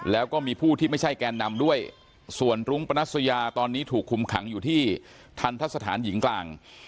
แล้วก็มีผู้ที่ไม่ใช่แกนนำด้วยส่วนรุ้งปนัสยาตอนนี้ถูกคุมขังอยู่ที่ทันทะสถานหญิงกลาง